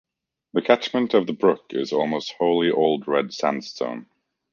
The catchment of the brook is almost wholly Old Red Sandstone.